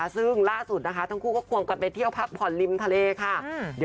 ซึ่งก่อนหน้านี้นี่หล่อไหมเธอ